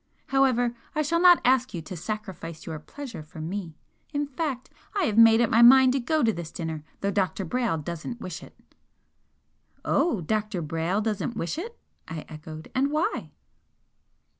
"However, I shall not ask you to sacrifice your pleasure for me, in fact, I have made up my mind to go to this dinner, though Dr. Brayle doesn't wish it." "Oh! Dr. Brayle doesn't wish it!" I echoed "And why?"